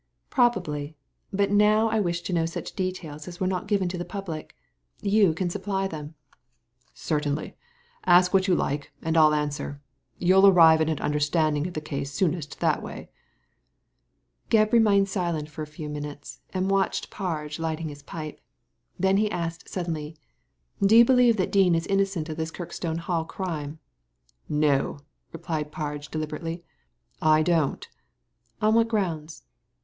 "Probably; but now I wish to know such details as were not given to the public You cao supply them." Digitized by Google COMMENTS ON THE CRIME 67 *• Certainly I Ask what you like, and 1*11 answer. Youll arrive at an understanding of the case soonest that way." Gebb remained silent for a few minutes^ and watched Parge lighting his pipe. Then he asked suddenly, * Do you believe that Dean is innocent of this Kirkstone Hall crime?'* "No !" replied Parge, deUberately, "I donV " On what grounds